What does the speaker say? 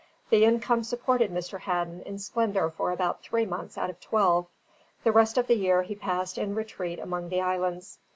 The income supported Mr. Hadden in splendour for about three months out of twelve; the rest of the year he passed in retreat among the islands.